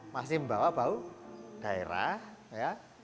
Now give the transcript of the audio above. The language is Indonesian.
masih membawa bau daerah